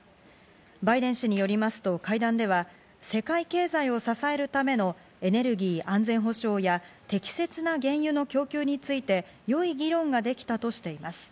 バイデン氏によりますと、会談では世界経済を支えるためのエネルギー安全保障や適切な原油の供給について、良い議論ができたとしています。